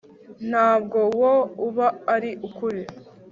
ntabwo wo uba ari ukuri